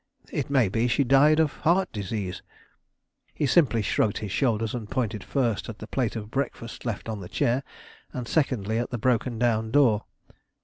It may be she died of heart disease." He simply shrugged his shoulders, and pointed first at the plate of breakfast left on the chair, and secondly at the broken down door.